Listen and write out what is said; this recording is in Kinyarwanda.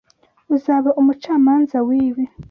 Uzaba umucamanza wibi.